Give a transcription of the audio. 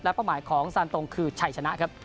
เป้าหมายของซานตรงคือชัยชนะครับ